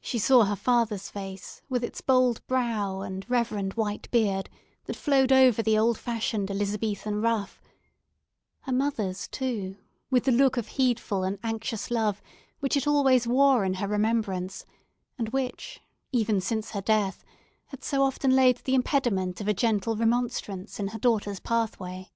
She saw her father's face, with its bold brow, and reverend white beard that flowed over the old fashioned Elizabethan ruff; her mother's, too, with the look of heedful and anxious love which it always wore in her remembrance, and which, even since her death, had so often laid the impediment of a gentle remonstrance in her daughter's pathway.